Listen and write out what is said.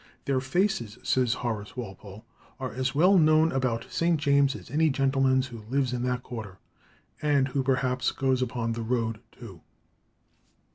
"Their faces," says Horace Walpole, "are as well known about St. James's as any gentleman's who lives in that quarter, and who perhaps goes upon the road too."